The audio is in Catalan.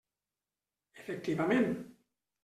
Efectivament.